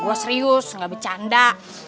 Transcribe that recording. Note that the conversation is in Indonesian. gue serius gak bercanda